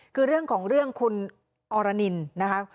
คือเรื่องของคุณออรนนิลนะครับ